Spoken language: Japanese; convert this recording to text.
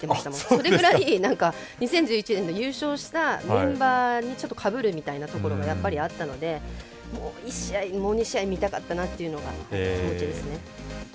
それぐらい２０１１年優勝したメンバーとちょっとかぶるみたいなところがあったのでもう１試合、２試合見たかったなというのが気持ちですね。